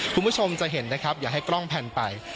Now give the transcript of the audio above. คุณผู้ชมจะเห็นนะครับอย่าให้กล้องแผ่นไป